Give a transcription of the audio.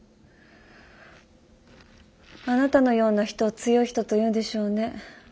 あなたのような人を強い人というんでしょうね。